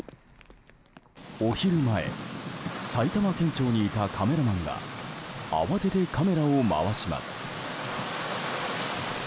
お昼前埼玉県庁にいたカメラマンが慌ててカメラを回します。